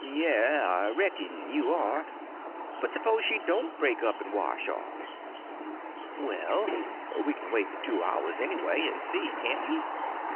"Yes, I reck'n you are. But s'pose she don't break up and wash off?" "Well, we can wait the two hours anyway and see, can't we?"